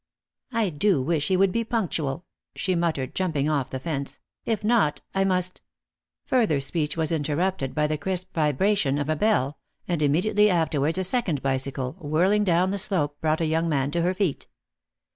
"I do wish he would be punctual," she muttered, jumping off the fence; "if not, I must " Further speech was interrupted by the crisp vibration of a bell, and immediately afterwards a second bicycle, whirling down the slope, brought a young man to her feet.